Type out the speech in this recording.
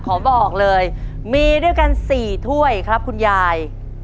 บอกเลยมีด้วยกัน๔ถ้วยครับคุณยาย